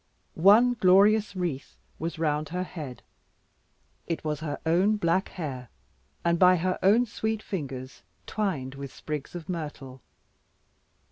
One glorious wreath was round her head; it was her own black hair by her own sweet fingers twined with sprigs of myrtle.